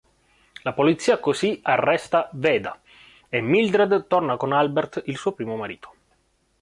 La polizia così arresta Veda e Mildred torna con Albert, il suo primo marito.